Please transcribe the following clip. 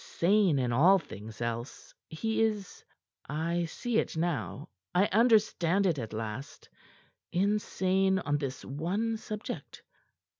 Sane in all things else, he is I see it now, I understand it at last insane on this one subject.